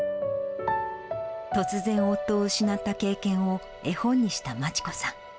突然、夫を失った経験を絵本にした真知子さん。